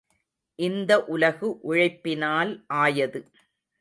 இந்த உலகு உழைப்பினால் ஆயது.